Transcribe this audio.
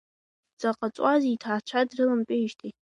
Заҟа ҵуазеи иҭаацәа дрыламтәеижьҭеи!